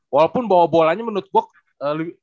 walaupun bawa bolanya menurut gue